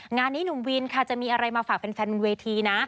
งานนี้หนุ่มวินค่ะจะมีอะไรมาฝากแฟนบนเวทีนะ